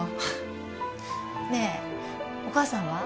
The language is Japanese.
ねえお母さんは？